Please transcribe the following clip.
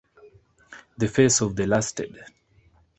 The face of the lasted.